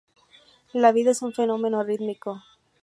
La vida es un fenómeno rítmico.